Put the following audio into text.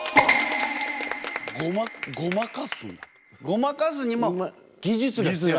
ごまかすにも技術が必要？